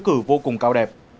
những nghĩa cử vô cùng cao đẹp